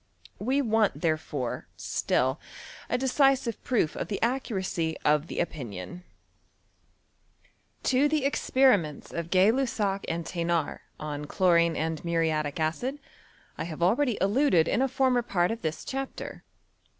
We want therefore, still, a decisive proof of the accuracy of the opinion. To the experiments of Gkiy Lussac and Thenaid VOL, II. T 274 HISTORY OF CHEMISTHT. on chloriDe and muriatic acid, I have already al luded in a former part of this chapter.